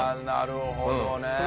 なるほどね。